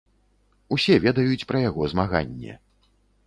Усе ведаюць пра яго змаганне.